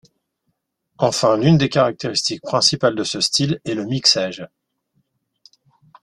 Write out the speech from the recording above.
Enfin l'une des caractéristiques principales de ce style est le mixage.